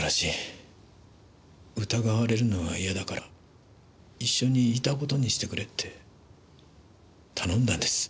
疑われるのは嫌だから一緒にいた事にしてくれ」って頼んだんです。